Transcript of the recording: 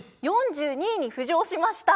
４２位に浮上しました。